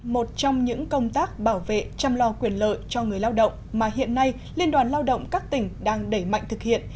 một trong những công tác bảo vệ chăm lo quyền lợi cho người lao động mà hiện nay liên đoàn lao động các tỉnh đang đẩy mạnh thực hiện